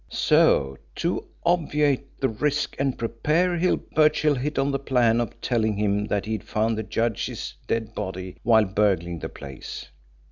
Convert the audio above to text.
So, to obviate this risk and prepare Hill, Birchill hit on the plan of telling him that he'd found the judge's dead body while burgling the place.